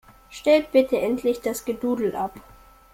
Stellt bitte endlich das Gedudel ab!